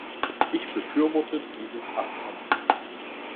Ich befürworte dieses Abkommen.